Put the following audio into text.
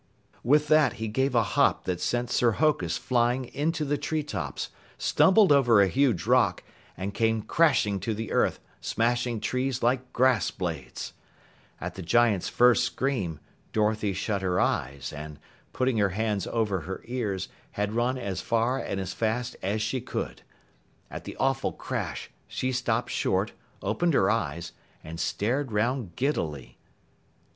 With that, he gave a hop that sent Sir Hokus flying into the treetops, stumbled over a huge rock, and came crashing to the earth, smashing trees like grass blades. At the giant's first scream, Dorothy shut her eyes and, putting her hands over her ears, had run as far and as fast as she could. At the awful crash, she stopped short, opened her eyes, and stared 'round giddily.